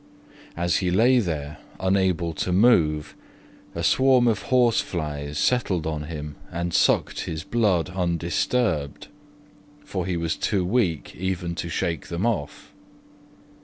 As he lay there unable to move, a swarm of horseflies settled on him and sucked his blood undisturbed, for he was too weak even to shake them off.